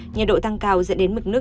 nhiệt độ tăng cao dẫn đến mực nước